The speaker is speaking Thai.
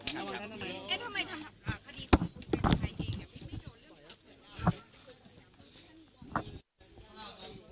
สวัสดีครับ